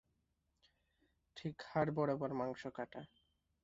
ঠিক হাড় বরাবর মাংস কাটা।